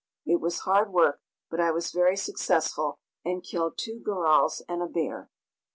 It was hard work, but I was very successful, and killed two gorals and a bear.